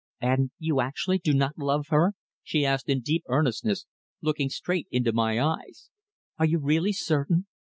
"And you actually do not love her?" she asked in deep earnestness, looking straight into my eyes. "Are you really certain?"